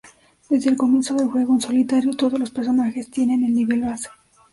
Desde el comienzo del juego en solitario, todos los personajes tienen el nivel base.